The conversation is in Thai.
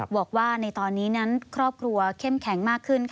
บอกว่าในตอนนี้นั้นครอบครัวเข้มแข็งมากขึ้น